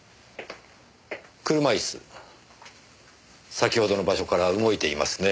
車イス先ほどの場所から動いていますね。